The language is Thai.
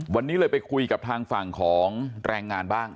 วันนี้เลยไปคุยกับทางฝั่งของแรงงานบ้าง